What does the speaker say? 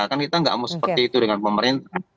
kan kita nggak mau seperti itu dengan pemerintah